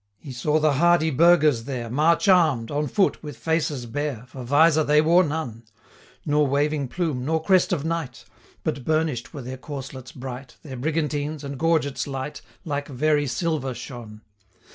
35 He saw the hardy burghers there March arm'd, on foot, with faces bare, For vizor they wore none, Nor waving plume, nor crest of knight; But burnish'd were their corslets bright, 40 Their brigantines, and gorgets light, Like very silver shone.